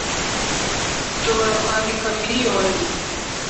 nshobora kwandika miriyoni